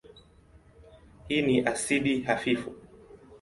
Hii ni asidi hafifu.